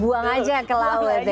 buang aja ke laut ya